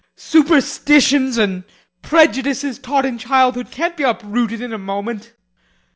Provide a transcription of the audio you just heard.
Superstitions and prejudices taught in childhood can't be uprooted in a moment.